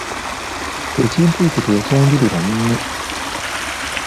Ekintu ekyo teyakyanjulira munne.